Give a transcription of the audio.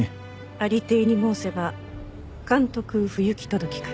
有り体に申せば監督不行き届きかと。